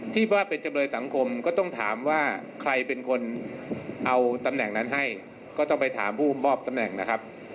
ที่ว่าเป็นจำเลยสังคมก็ต้องถามว่าใครเป็นคนเอาตำแหน่งนั้นให้ก็ต้องไปถามผู้มอบตำแหน่งนะครับ